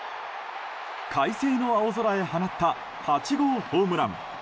快晴の青空へ放った８号ホームラン。